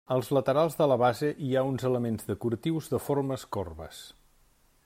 Als laterals de la base hi ha uns elements decoratius de formes corbes.